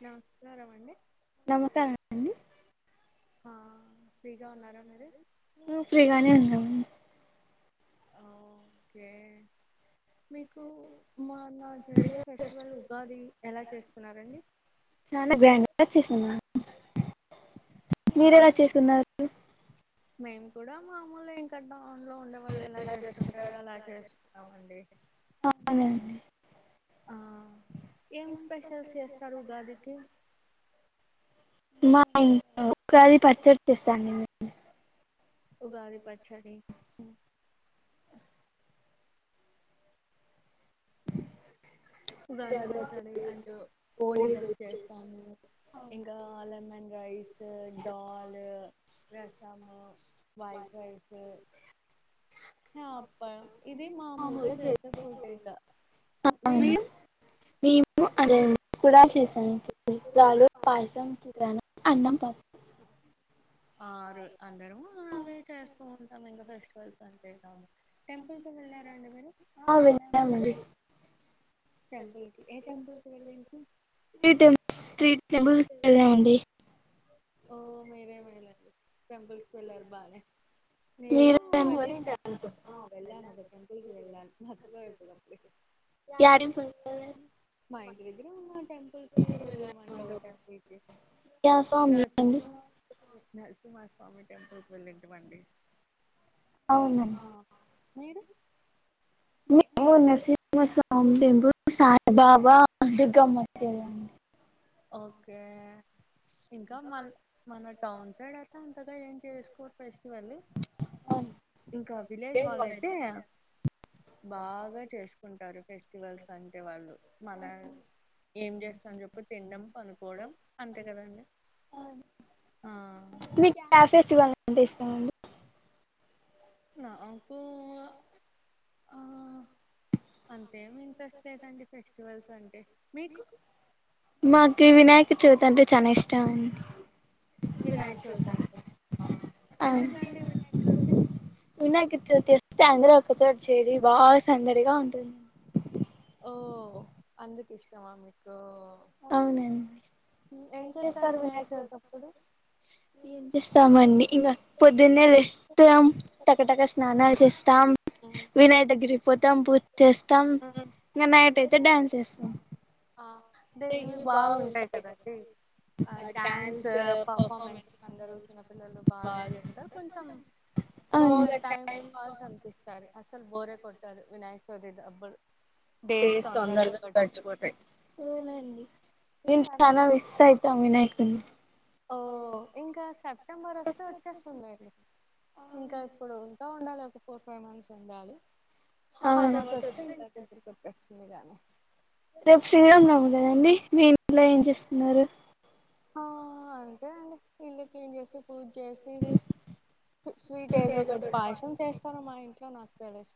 న స్కారమండి నమస్కారండి ఉమ్ ఫ్రీగానే ఉన్నాం ఓకే మీకు మొన్న జరిగిన ఫెస్టివల్ ఉగాది ఎలా చేసుకున్నారండి చేసున్నా మీరేలా చేసున్నారు కూడా మాములే ఇంక [unintelligible] టౌన్లో ఉండేవాళ్ళు ఎలా చేసుకుంటారు అలా చేసుకున్నామండి. మా ఇది ఉగాది పచ్చడి చేసాను ఉగాద పచ్చడి ఉగాది పచ్చడి అండ్ ఓలిగాలు చేస్తాము ఇంకా లెమన్ రైస్ డాల్ రసము వైట్ రైస్ ఇది మామూలుగా చేసే ఫుడ్ ఇంక మీరు మేము అదేనండి కూడాలు చేశాం రాలు పాయసం చిత్రాన్నం అన్నం పప్పు ఆరు అందరము అవే చేస్తూ ఉంటాము ఇంగ ఫేస్ ఫెస్టివల్స్ అంటే కామన్ టెంపుల్ కి వెళ్లారా అండి మీరు ఆ వెళ్ళామండి టెంపుల్ కి ఏ టెంపుల్ కి వెళ్ళిట్రి [inaudible] ఓ మీరే మేలండి టెంపుల్స్ కి వెళ్ళారు బానే నేను వాళ్ళింటి అనుకుంటున్న ఆ వెళ్ళాను ఒక టెంపుల్ కి వెళ్ళాను బద్ధకం అయిపోయింది అప్పుడే మా ఇంటి దగ్గరే ఉన్న టెంపుల్ కి వెళ్ళామండి ఒక టెంపుల్ కి నరసింహస్వామి టెంపుల్కి వెళ్ళింటిమండి అవును మీరు నేను నరసింహ స్వామి టెంపుల్ సాయిబాబా దుర్గమ్మ కి వెళ్ళా అండి ఓకే ఇంకా మన్ మన టౌన్ సైడ్ అయితే అంతగా ఏం చేసుకోరు ఫెస్టివల్ ఇంకా విలేజ్ వాళ్ళయితే బాగా చేసుకుంటారు ఫెస్టివల్స్ అంటే వాళ్ళు మన ఏం చేస్తాం చెప్పు తిండం పనుకోవడం అంతే కదండి ఆ నాకు ఆ అ నాకి వినాయక్ కచవితి అంటే చానా ఇష్టం అండి అవును వినాయక చవితి వస్తే అందరు ఒక చోట చేరి బాగా సందడిగా ఉంటుంది ఓ అందుకు ఇష్టమా మీకు అవునండి ఏం చేస్తామండి ఇంకా పొద్దున్నే లేస్తాం టక టక స్నానాలు చేస్తాం వినాయక దగ్గరికి పోతాం పు చేస్తాం ఇంకా నైట్ అయితే డ్యాన్స్ చేస్తాం అంటే ఇవి బాగుంటాయి కదండి ఆ డ్యాన్స్ పర్ఫార్మెన్సెస్ అందరు చిన్నపిల్లలు బాగా ఎస్తుంటారు కొంచెం బాగా టైం పాస్ అనిపిస్తాది అసలు బోరే కొట్టదు వినాయక చవితి దబ్ డేస్ తొందరగా గడిచిపోతాయి ఓ ఇం క సక్ సప్టెంబర్ వస్తే వచ్చేస్తుంది అండి ఇంకా ఇప్పుడు ఇంక ఉండాలి ఒక ఫోర్ ఫైవ్ మంత్స్ ఉండాలి హ తరువస్తే ఇంక కొంచం చెప్పేస్తుంది గాని రేపు ఫ్రీ ఉన్నాము కదండి మి ఇంట్లో ఏం చేస్ మరి ఆ అంటే అండి ఇల్లు క్లీన్ చేసి పూజ చేసి స్వీట్ ఏదో ఒకటి పాయసం చేస్తార్ మా ఇంట్లో నాకు తెలిసి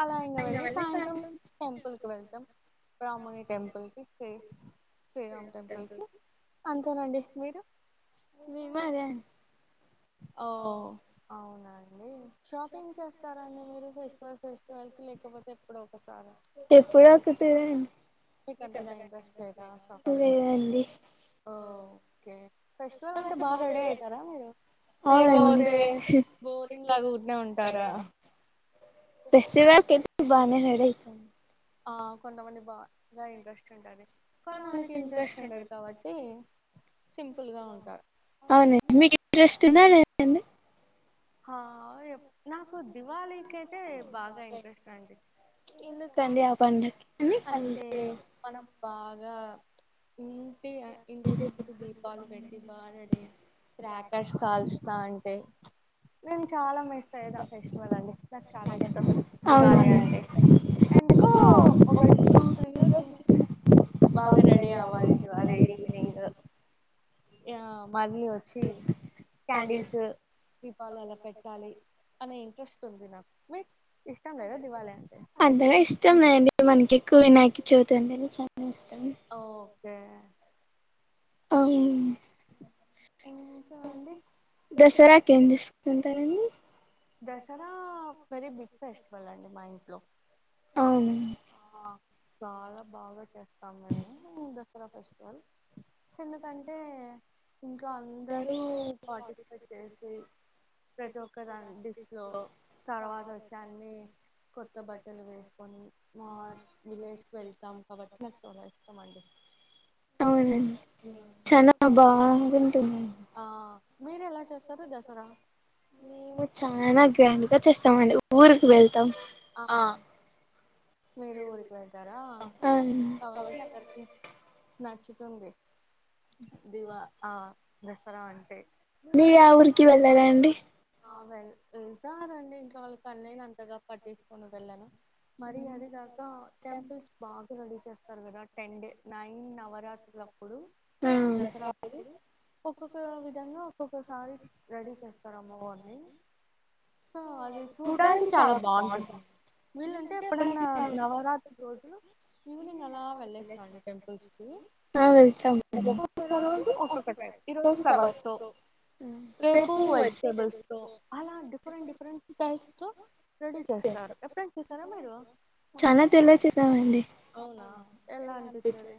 అలా ఇంగా వెళ్ళి సాయంత్రం టెంపుల్కి వెళ్తాం రాముని టెంపుల్ కి శ్రీ శ్రీరామ్ టెంపుల్ కి అంతేనండి మీరు ఓ అవునా షాపింగ్ చేస్తారా అండి మీరు ఫెస్టివల్ ఫెస్టివల్కి లేకపోతే ఎప్పుడో ఒకసారా మీకు అంతగా ఇంట్రెస్ట్ లేదా షాపింగ్ ఓకే ఫెస్టివల్ అంటే బాగా రెడీ అయితారా మీరు అవు లగ ఊర్నే ఉంటారా [inaudible] ఆ కొంతమంది బాగా ఇంట్రెస్ట్ ఉంటది అవునా మీకు ఇంట్రెస్ట్ ఉందా లేదాండి హా ఎప్ నాకు దివాళికి అయితే బాగా ఇంట్రెస్ట్ అండి అంటే మనం బాగా ఇంటి ఇంటి చుట్టూ దీపాలు పెట్టి బా రెడీయ్ క్రాకర్స్ కాల్చుతంటే నేను చాలా మిస్ అయిద ఫెస్టివల్ అండి నాకు చాలా ఇష్టం దివాళి అంటే ఎందుకో ఒక టూ త్రీ ఇయర్స్ నుంచి బాగా రెడీ అవ్వాలి దివాళి ఈవినింగ్ యా మళ్ళీ వచ్చి క్యాండిల్స్ అంతగా ఇష్టం లేదండి మనకి ఎక్కువ నాకి చవితి అంటేనే చాలా ఇష్ ఓకే అవును ఇంకాండి దసరా వెరీ బిగ్ ఫెస్టివల్ అండి మా ఇంట్లో ఆ చాాలా బాగా స్తమయంము ఫెస్టివల్ ఎందుకంటే ఇంకా అందరూ పార్టిసిపేట్ చేసి ప్రతి ఒలో తర్వాత వచ్చ కొ బర్డే విజ్ వెళ్తాము కాబట్టి అవునండి చనా బా మేము చ గ్రాండ్ గా చేస్తామ అండి ఊరికి వెళ్తాం మీరు ఊరికి వెళ్తారా కాబట్టి అందరికి నచ్చుతుంది మీరు ఆ ఊరికి వెళ్ళారా అండి ఆ వె వెళ్తా రండి ఇంట్లో వాళ్ళకి పన్నను అంతగా పట్టించకొని వెళ్ళను మరి అది కాక టెంపుల్స్ బాగా రెడీ చేస్తారు కదా టెన్ డే నైన్ నవరాత్రుల అప్పుడు దసరా అప్పుడు ఒక్కొక్క విధంగా ఒక్కొక్కసారి రెడీ చేస్తారు అమ్మవారి ని సో అది చూడ్డానికి చాలా బాగుంటుంది మీల్ంటే ఎప్పుడ నవరాత్రి రోజు ఈవినింగ్ ఎలా వెళ్ళేసి రండి టెంపుల్స్ కి ఒక్కొక్క రోజు ఒక్కొక్క టైప్ ఈ రోజు ఫ్లవర్స్ తో రేపు వెజిటేబుల్స్ తో అలా డిఫరెంట్ డిఫరెంట్ టైప్ తో రెడీ చేస్తారు ఎప్పుడనా చూసారా మీరు అవునా ఎలా అనిపించేది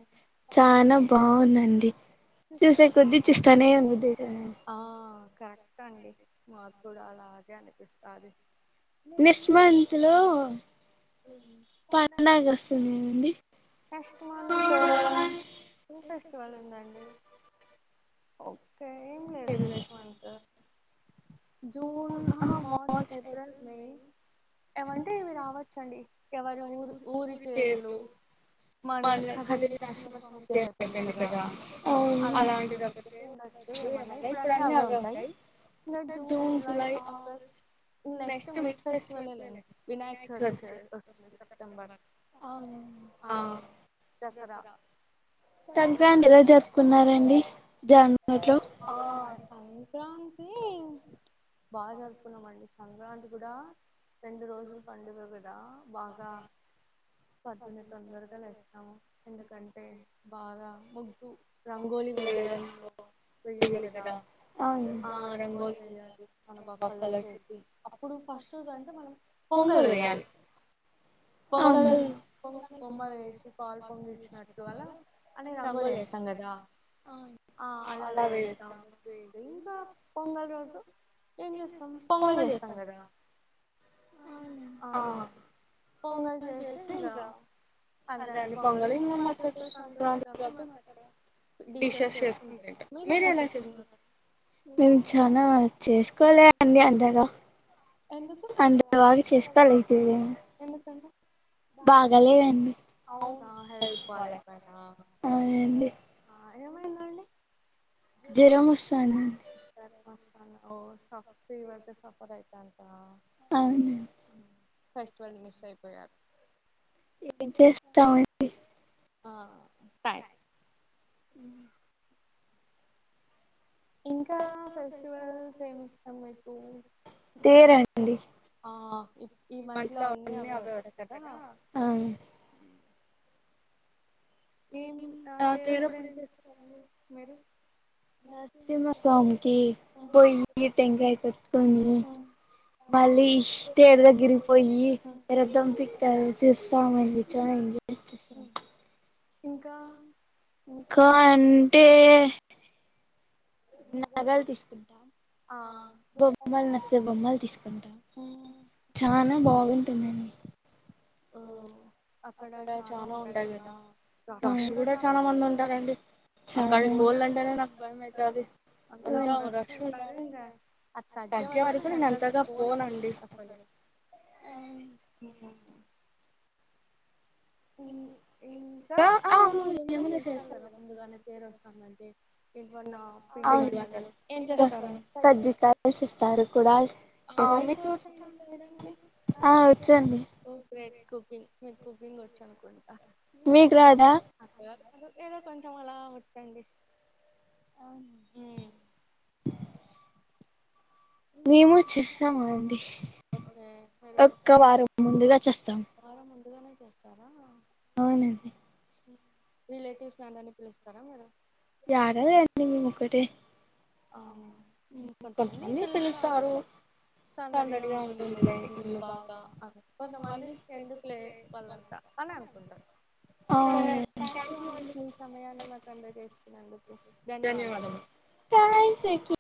ట్టండి మాకు కూడా అలాగే అనిపిస్తుంది నెక్స్ట్ మంత్ లో నెస్ట్ మంత్ ఏ ఫెస్టివల్ ఉందండి [inaudible] జూన్ మార్చ ఏప్రిల్ మే ఎవంటేవి రావ ఎవరి ఊరి ఊరి పేరులు మనల కదిరి నరసింహస్వామి తీరు అయిపోయింది కదా అలాంటిది ఒకి ఉండచ్చు ఏమన్నా ఇప్పుడు అన్ని అవే ఉంటాయి జూన్ జూలై ఆగస్ట్ నెక్స్ట్ మ ఫెస్టివల్ లెండి వినాక్ సంక్రాంతి ఎలా జరుపుకున్నరండి ఆ సంక్రాంతి బాగా జరుపుకున్నామ అండి సంక్రాంతి కూడా రెండు రోజుల పండుగ కూడా బాగా పోద్దున్న తొందరగా లే వస్తాము ఎందుకంటే బాగా ముగ్గు రంగోలి వేయడంలో చేయాలి కదా ఆ రంగోలి [inaudible] బ కలసి అప్పుడు ఫస్ట్ అంటే మనం పొంగలు వేయాలీ పొంగలు బొమ్మ వేసి పచ్చినట్టు వల్ల అ రంగోలు వేస్తాం కదా ఆ అలా వేస్తాం ఇంకా పొంగల్ రోజు ఏం చేస్తాం పొంగల్ చేస్తాం కద పొంగల్ చేస్తే ఇంకా అదని పొంగలు ఇంకా మా చట్ సంక్రాంతి కాట్టి మాక్కడ డిషెస్ చేసుకుంట మీరు ఎలా చేసుకున్నారు మేం చాలా చెస్ కాలే అంది అంతగా అంటే బాగా చేసుకోలిపో అవునా హల్త్ బాల ఆ ఏం అయింది అండి జరం వస్తందింది మసాల ఓ సఫ ఇవతే సఫర్యి కాక అవును ఫెస్టివల్ మిస్ అయిపోయారు ఏం చేస్తామండి ఆ [inaudible] ఇంకా ఫెస్టివల్స్ ఏమిస్తాం మీకు ఈ మంత్ లో అవన్నీ అవే వస్తాయి కదా ఆ తేరప్పుడు ఏం నరసింహస్వామికి పోయి టెంకాయ కట్టుకొని మళ్ళీ తేరు దగ్గరికి పోయి రధం పతారు చస్తామ చాలా ఎంజాయ్ చేస్తాము ఇంకా ఇంకా అంటే నగాలు తీసుకుంటాం ఆ బొమ్మలు నచ్చే బొమ్మలు తీసుకుంటాం చనా బాగుంటుందండి ఆ అక్కడ చనా ఉంటయిడ రష్ కూడా చాలా మంది ఉండాలండి అక్కడికి పోన్ంటేనేకు అంత రష్ ఉంటారు ఇంకా అది తగ్గే వరకు నేను ఎంత పోనుడి అసలు ఇంకా అవును ఏమైనా చేస్తారు కదా ముందుగానే తీరు వస్తాందంటే ఏన్న పిండి వంటలు ఏం చేస్తారు మీకు వచ్చంటే కుకింగ్ మీకు కుకింగ్ వ చనుకుంటా [inaudible] అద ఏదో కొంచెం అలా వస్తుండి అవున మేము చేస్తాము అండి ఒక్క వారం ముందుగా చేస్తాము అందుగానే చేస్తారా [inaudible] అవునండి రిలేటివ్స్ అందర్నీ పిలుస్తారా మీరు యారాల ఎడిీ ఉకటి ఆ కొంతమంది పిలుస్తారు చందడిగా ఉంటుంది లైక్ీళు బాగా అ కొంతమంది ఎందుకు లే వాళ్ళంతా అని అనుకుంటారు సరే అండి థ్యాంక్ యూ అండి మీ సమయాన్ని మాకు అందజేస్తు ధన్యవాదము కా సకిి